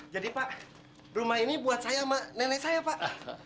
jadi pak rumah ini buat saya sama nenek saya pak